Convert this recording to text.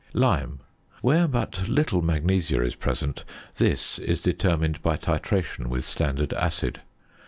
~Lime.~ Where but little magnesia is present, this is determined by titration with standard acid.